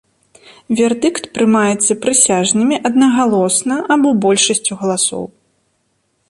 Вердыкт прымаецца прысяжнымі аднагалосна або большасцю галасоў.